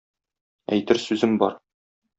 Әйтер сүзем бар